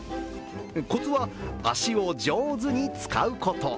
コツは、足を上手に使うこと。